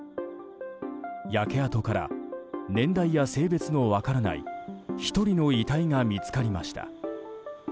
焼け跡から年代や性別の分からない１人の遺体が見つかりました。